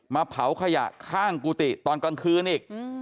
เผาขยะข้างกุฏิตอนกลางคืนอีก